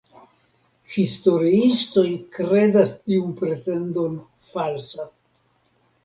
Historiistoj kredas tiun pretendon falsa.